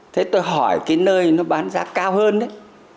thế tôi hỏi cái nơi nó bán giá cao hơn đấy